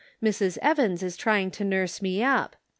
Mrs. Evans is trying to nurse me up.